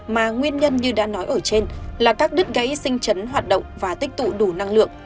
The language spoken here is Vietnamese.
mà nguyên nhân như đã nói ở trên là các đứt gãy sinh chấn hoạt động và tích tụ đủ năng lượng